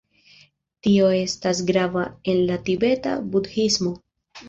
Tio estas grava en la Tibeta Budhismo.